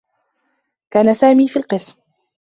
كان سامي في القسم.